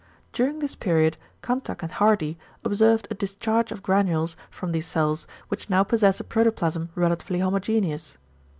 During this period Kanthack and Hardy observed a discharge of granules from these cells, which now possess a protoplasm relatively homogeneous.